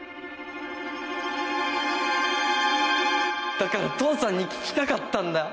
だから父さんに聞きたかったんだ